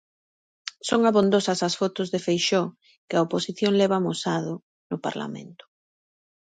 Son abondosas as fotos de Feixóo que a oposición leva amosado no Parlamento.